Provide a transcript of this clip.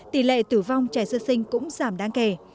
tỷ lệ tử vong trẻ sơ sinh cũng giảm đáng kể